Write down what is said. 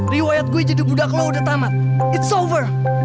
riwayat gue jadi budak lu udah tamat it's over